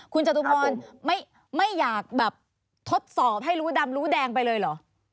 คุณจตุพรไม่อยากแบบทดสอบให้รู้ดำรู้แดงไปเลยเหรอ